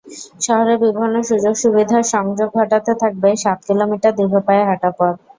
শহরের বিভিন্ন সুযোগ-সুবিধার সংযোগ ঘটাতে থাকবে সাত কিলোমিটার দীর্ঘ পায়ে হাঁটা পথ।